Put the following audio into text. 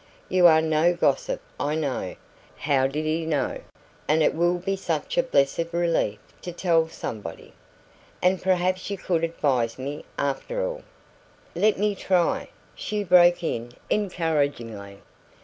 You are no gossip, I know" how did he know? "and it will be such a blessed relief to tell somebody. And perhaps you could advise me, after all " "Let me try," she broke in encouragingly.